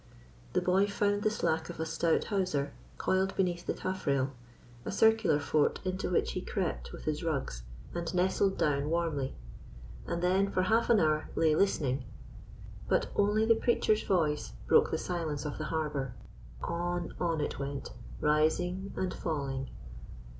The boy found the slack of a stout hawser coiled beneath the taffrail a circular fort into which he crept with his rugs, and nestled down warmly; and then for half an hour lay listening. But only the preacher's voice broke the silence of the harbour. On on it went, rising and falling.